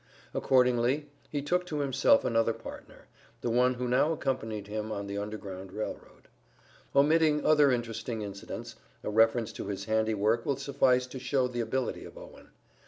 Accordingly he took to himself another partner, the one who now accompanied him on the Underground Rail Road. Omitting other interesting incidents, a reference to his handiwork will suffice to show the ability of Owen.